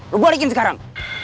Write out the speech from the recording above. lo balikin sekarang